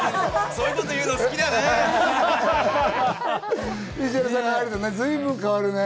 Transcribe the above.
そういうこと言うの好きだね。